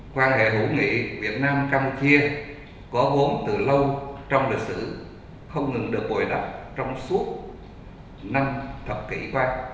quan hệ hữu nghị việt nam campuchia có vốn từ lâu trong lịch sử không ngừng được bồi đắp trong suốt năm thập kỷ qua